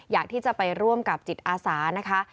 อยากที่จะไปร่วมกับจิตอาสานะคะ